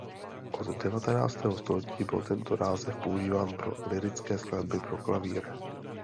Od devatenáctého století byl tento název používán pro lyrické skladby pro klavír.